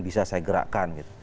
bisa saya gerakkan gitu